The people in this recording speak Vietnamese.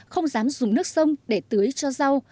không dám dùng nước sông để tưới cho rau